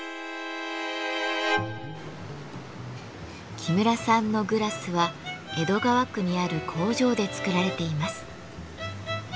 木村さんのグラスは江戸川区にある工場で作られています。